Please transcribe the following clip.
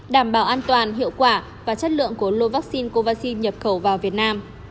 đảm bảo an toàn hiệu quả và chất lượng của lô vaccine covid nhập khẩu vào việt nam